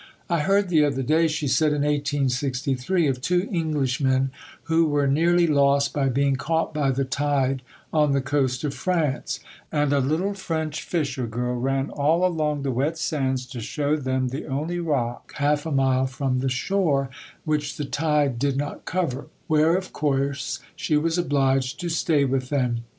"I heard the other day," she said in 1863, "of two Englishmen who were nearly lost by being caught by the tide on the coast of France, and a little French fisher girl ran all along the wet sands to show them the only rock, half a mile from the shore, which the tide did not cover, where of course she was obliged to stay with them.